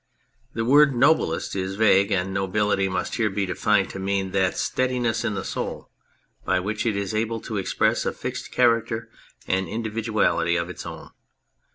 The word " noblest " is vague, and nobility must here be defined to mean that steadiness in the soul by which it is able to express a fixed character and individu ality of its own.